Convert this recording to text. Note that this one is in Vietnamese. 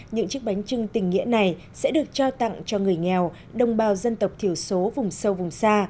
những chiếc bánh trưng tình nghĩa này sẽ được trao tặng cho người nghèo đồng bào dân tộc thiểu số vùng sâu vùng xa